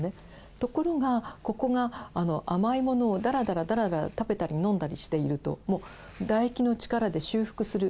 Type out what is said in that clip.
ところがここが甘いものをだらだらだらだら食べたり飲んだりしているともう唾液の力で修復する時間が足りない。